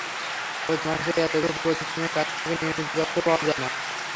প্রতি মাসেই এতগুলো প্রতিষ্ঠানের কাছ থেকে নিয়মিত তথ্য পাওয়া যায় না।